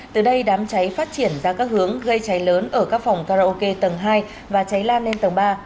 từ đây đám cháy phát triển ra các hướng gây cháy lớn ở các phòng karaoke tầng hai và cháy lan lên tầng ba